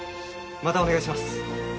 またお願いします。